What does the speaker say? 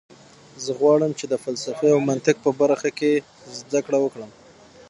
زه غواړم چې د فلسفې او منطق په برخه کې زده کړه وکړم